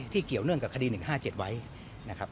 ที่เกี่ยวเรื่องคดีฆ์๑๕๗ไว้นะครับ